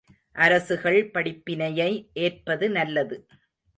அரசுகள் படிப்பினையை ஏற்பது நல்லது.